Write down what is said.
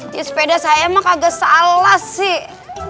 di sepeda saya emang kagak salah sih